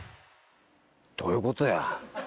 どういうことや。